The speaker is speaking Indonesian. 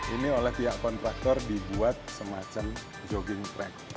ini oleh pihak kontraktor dibuat semacam jogging track